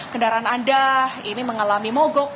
kendaraan anda ini mengalami mogok